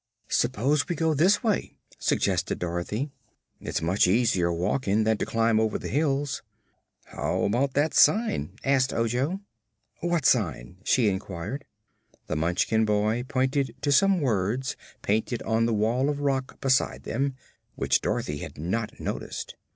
"S'pose we go this way," suggested Dorothy; "it's much easier walking than to climb over the hills." "How about that sign?" asked Ojo. "What sign?" she inquired. The Munchkin boy pointed to some words painted on the wall of rock beside them, which Dorothy had not noticed.